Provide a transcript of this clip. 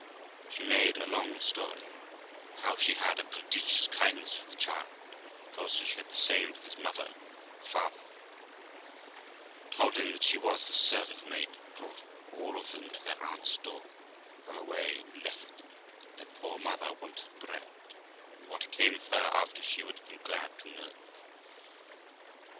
She made a long story, how she had a prodigious kindness for the child, because she had the same for his father and mother; told him that she was the servant maid that brought all of them to their aunt's door, and run away and left them; that their poor mother wanted bread, and what came of her after she would have been glad to know.